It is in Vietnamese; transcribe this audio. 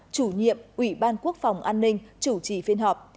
chủ nhiệm ủy ban quốc phòng an ninh chủ trì phiên họp